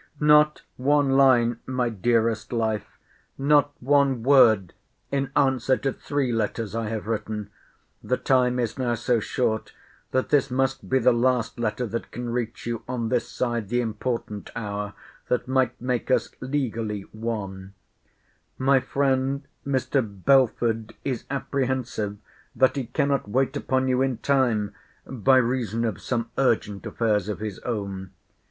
Not one line, my dearest life, not one word, in answer to three letters I have written! The time is now so short, that this must be the last letter that can reach you on this side the important hour that might make us legally one. My friend, Mr. Belford, is apprehensive, that he cannot wait upon you in time, by reason of some urgent affairs of his own.